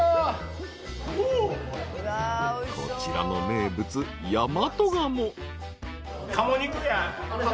［こちらの名物倭鴨］